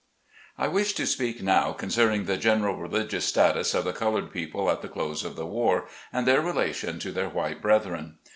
WISH to speak now concerning the general religious status of the colored people at the close of the war, and their relation to their white brethren.